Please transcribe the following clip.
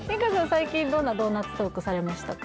最近どんなドーナツトークされましたか？